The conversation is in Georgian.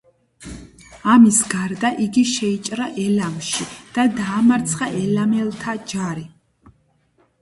ამის გარდა იგი შეიჭრა ელამში და დაამარცხა ელამელთა ჯარი.